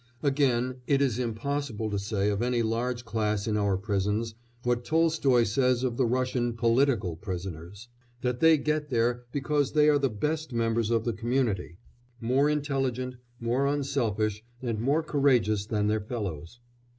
Again, it is impossible to say of any large class in our prisons, what Tolstoy says of the Russian political prisoners: that they get there because they are the best members of the community, more intelligent, more unselfish, and more courageous than their fellows.